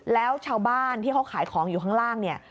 แล้วชาวบ้านที่เขาขายของอยู่ข้างล่างเนี่ย